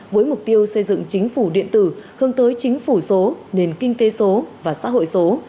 với mục tiêu xây dựng chính phủ điện tử hướng tới chính phủ số nền kinh tế số và xã hội số